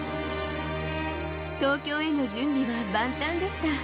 東京への準備は万端でした。